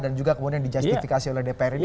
dan juga kemudian di justifikasi oleh dpr ini